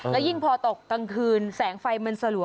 แล้วยิ่งพอตกกลางคืนแสงไฟมันสลัว